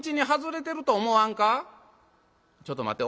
「ちょっと待て。